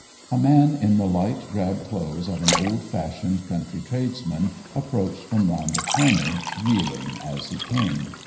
A man in the light drab clothes of an old fashioned country tradesman approached from round the corner, reeling as he came.